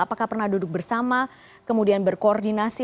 apakah pernah duduk bersama kemudian berkoordinasi